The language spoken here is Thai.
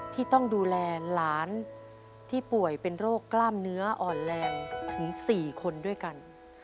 ที่ต้องดูแลหลานที่ป่วยเป็นโรคกล้ามเนื้ออ่อนแรงถึง๔คนด้วยกัน